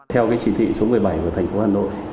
theo cái chỉ thị số một mươi bảy của thành phố hà nội